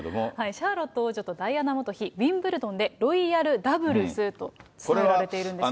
シャーロット王女とダイアナ元妃、ウィンブルドンでロイヤルダブルスと伝えられているんですね。